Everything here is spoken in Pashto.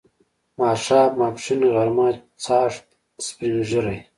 ماښام، ماپښین، غرمه، چاښت، سپین ږیری